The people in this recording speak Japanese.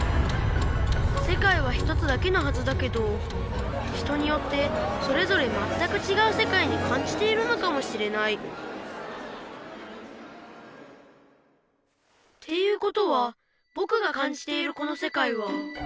せかいは１つだけのはずだけど人によってそれぞれまったくちがうせかいにかんじているのかもしれないっていうことはぼくがかんじているこのせかいは。